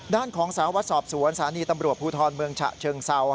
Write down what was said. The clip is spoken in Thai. ด้านของสารวัตรสอบสวนสถานีตำรวจภูทรเมืองฉะเชิงเซา